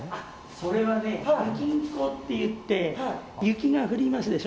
それは、雪ん子っていって雪が降りますでしょ？